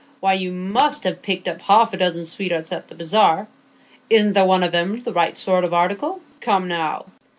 Why, you must ha' picked up half a dozen sweethearts at the bazaar; isn't there one of 'em the right sort of article? Come, now?"